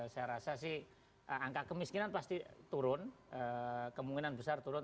saya rasa sih angka kemiskinan pasti turun kemungkinan besar turun